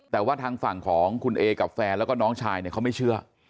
แต่ว่าทางฝั่งของคุณเอกับแฟนแล้วก็น้องชายเนี่ยเขาไม่เชื่อ